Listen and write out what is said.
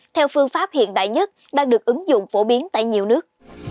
theo phương pháp hiện đại nhất đang được ứng dụng phổ biến tại nhiều nước